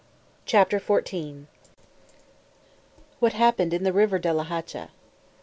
CHAPTER XIV _What happened in the river De la Hacha.